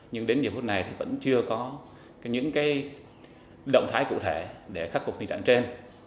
nhưng đến nhiều phút này thì vẫn chưa có những động thái cụ thể để khắc phục tình trạng trên